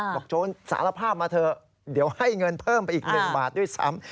โจรสารภาพมาเถอะเดี๋ยวให้เงินเพิ่มไปอีก๑บาทด้วยซ้ำ